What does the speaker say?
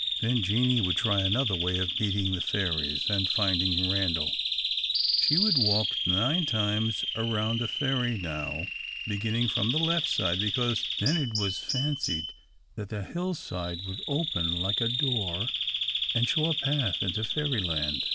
Then Jeanie would try another way of meeting the fairies, and finding Randal. She would walk nine times round a Fairy Knowe, beginning from the left side, because then it was fancied that the hill side would open, like a door, and show a path into Fairyland.